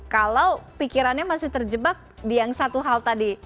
kalau pikirannya masih terjebak di yang satu hal tadi